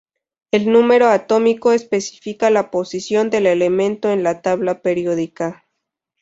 El número atómico especifica la posición del elemento en la tabla periódica.